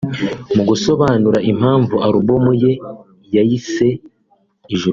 Mu gusobanura impamvu album ye yayise ‘Ijuru rito’